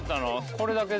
これだけで？